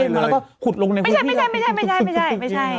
ไม่ใช่